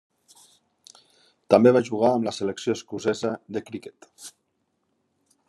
També va jugar amb la selecció escocesa de criquet.